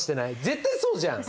絶対そうじゃん。